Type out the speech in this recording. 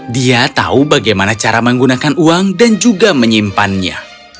dia tahu bagaimana cara menggunakan uang dan juga menyimpannya